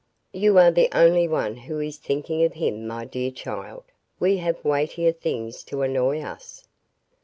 You are the only one who is thinking of him, my dear child. We have weightier things to annoy us."